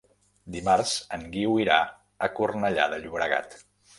Dimarts en Guiu irà a Cornellà de Llobregat.